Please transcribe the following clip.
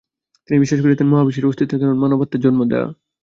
তিনি বিশ্বাস করতেন মহাবিশ্বের অস্তিত্বের কারণ মানব আত্মার জন্ম দেয়া।